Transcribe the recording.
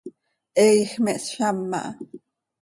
He iij me hszam aha.